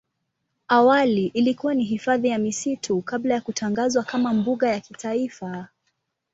Awali ilikuwa ni hifadhi ya misitu kabla ya kutangazwa kama mbuga ya kitaifa.